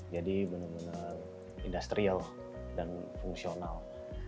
jadi benar benar industrial dan fungsional